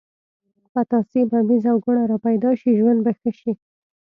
پتاسې، ممیز او ګوړه را پیدا شي ژوند به ښه شي.